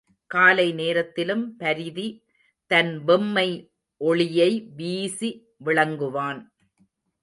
காலை நேரத்திலும் பரிதி தன் வெம்மை ஒளியை வீசி விளங்குவான்.